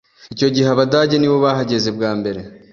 Icyo gihe Abadage nibo bahageze bwa mbere